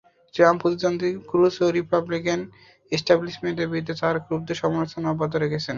Trump প্রতিদ্বন্দ্বী Cruz এবং Republican এস্টাবলিশমেন্টের বিরুদ্ধে তাঁর ক্রুদ্ধ সমালোচনা অব্যাহত রেখেছেন।